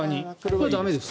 これは駄目ですか？